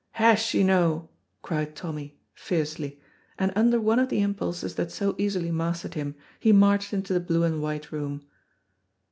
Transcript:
"Has she no?" cried Tommy, fiercely, and under one of the impulses that so easily mastered him he marched into the blue and white room.